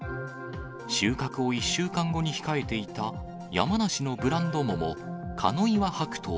収穫を１週間後に控えていた山梨のブランド桃、加納岩白桃